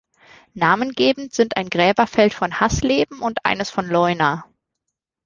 Namengebend sind ein Gräberfeld von Haßleben und eines von Leuna.